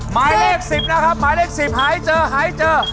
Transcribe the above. หมายเลข๑๐หายเจอหายเจอ